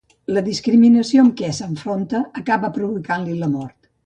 La discriminació amb què s'enfronta acaba provocant-li la mort.